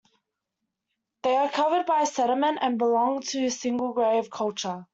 They are covered by sediment and belong to the Single Grave Culture.